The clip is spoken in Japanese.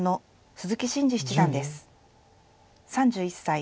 ３１歳。